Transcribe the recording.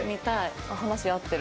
話合ってる。